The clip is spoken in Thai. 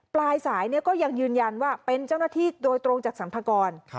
ปลายสายก็ยังยืนยันว่าเป็นเจ้าหน้าที่โดยตรงจากสรรพากร